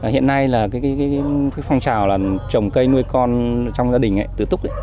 hiện nay phong trào trồng cây nuôi con trong gia đình tứ túc